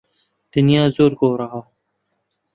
دنیا زۆر گۆڕاوە.